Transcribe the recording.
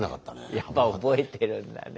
やっぱ覚えてるんだね。